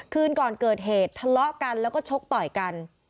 คืนก่อนเกิดเหตุทะเลาะกันแล้วก็ชกต่อยกัน